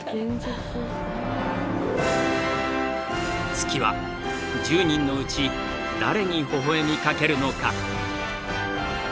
月は１０人のうち誰にほほ笑みかけるのか？